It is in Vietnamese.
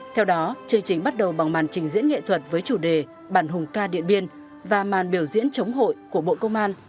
theo đó chương trình bắt đầu bằng màn trình diễn nghệ thuật với chủ đề bản hùng ca điện biên và màn biểu diễn chống hội của bộ công an